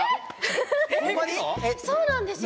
そうなんですよ